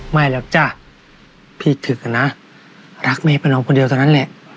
ไม่แล้วจ้ะพี่ถึกอ่ะนะรักเมฆเป็นน้องคนเดียวตอนนั้นแหละน่ะ